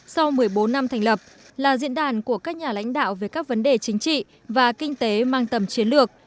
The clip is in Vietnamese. sau một mươi bốn năm thành lập là diễn đàn của các nhà lãnh đạo về các vấn đề chính trị và kinh tế mang tầm chiến lược